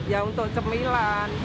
ya untuk cemilan